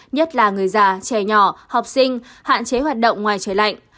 nhất là người già trẻ nhỏ học sinh hạn chế hoạt động ngoài trời lạnh